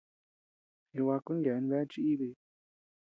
Jibaku yeabean bea chi-íbii.